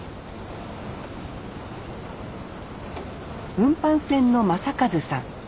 運搬船の将和さん。